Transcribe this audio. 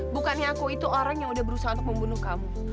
bukannya aku itu orang yang udah berusaha untuk membunuh kamu